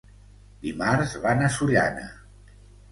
Dimarts van a Sollana.